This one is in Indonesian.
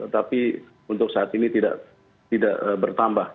tapi untuk saat ini tidak bertambah